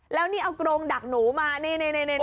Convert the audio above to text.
แล้วนี่เอากรงดักหนูมานี่